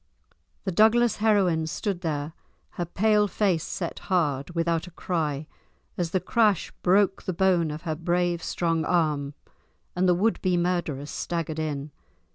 The Douglas heroine stood there, her pale face set hard, without a cry, as the crash broke the bone of her brave strong arm, and the would be murderers staggered in.